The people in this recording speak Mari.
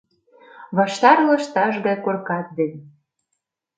Ваштар лышташ гай коркат ден